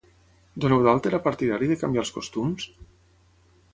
Don Eudald era partidari de canviar els costums?